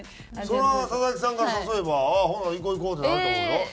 それは佐々木さんから誘えばああほんなら行こう行こうってなると思うよ。